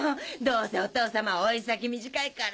どうせお義父様は老い先短い体。